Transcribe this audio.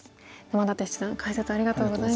沼舘七段解説ありがとうございました。